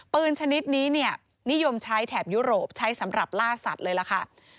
ชนิดนี้เนี่ยนิยมใช้แถบยุโรปใช้สำหรับล่าสัตว์เลยล่ะค่ะ